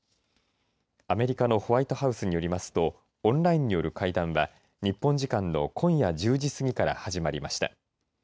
アメリカのホワイトハウスによりますとオンラインによる会談は日本時間の今夜１０時すぎから始まりました。